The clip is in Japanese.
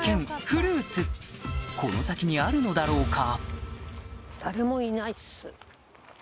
フルーツこの先にあるのだろうか？